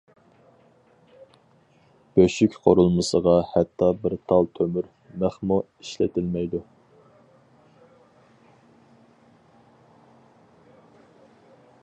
بۆشۈك قۇرۇلمىسىغا ھەتتا بىر تال تۆمۈر مىخمۇ ئىشلىتىلمەيدۇ.